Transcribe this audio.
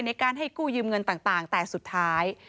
ในการให้กู้ยืมเงินต่างแต่สุดท้าย